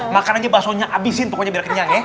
makan aja baksonya abisin pokoknya biar kenyang ya